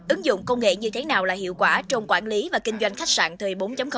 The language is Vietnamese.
ứng dụng công nghệ như thế nào là hiệu quả trong quản lý và kinh doanh khách sạn thời bốn